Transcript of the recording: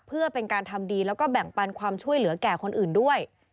เพื่อเป็นการทำดีแล้วก็แบ่งปันความช่วยเหลือแก่คนอื่นด้วย